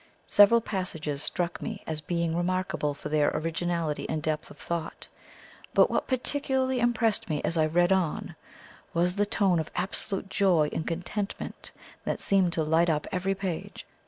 Several passages struck me as being remarkable for their originality and depth of thought; but what particularly impressed me as I read on, was the tone of absolute joy and contentment that seemed to light up every page.